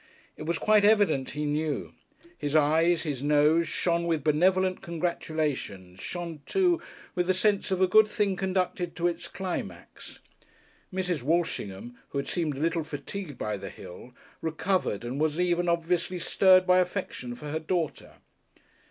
It was quite evident he knew. His eyes, his nose, shone with benevolent congratulations, shone, too, with the sense of a good thing conducted to its climax. Mrs. Walshingham, who had seemed a little fatigued by the hill, recovered, and was even obviously stirred by affection for her daughter.